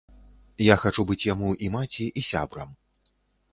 Я хачу быць яму і маці, і сябрам.